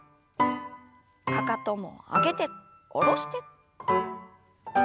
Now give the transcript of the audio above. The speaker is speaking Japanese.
かかとも上げて下ろして。